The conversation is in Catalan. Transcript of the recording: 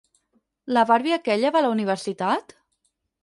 La barbi aquella va a la universitat?